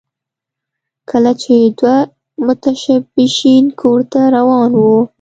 کله چې دوه متشبثین کور ته روان وو